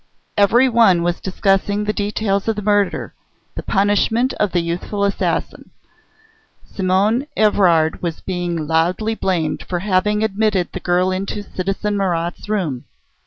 Every one was discussing the details of the murder, the punishment of the youthful assassin. Simonne Evrard was being loudly blamed for having admitted the girl into citizen Marat's room.